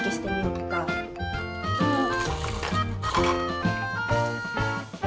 うん。